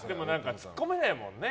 ツッコめないもんね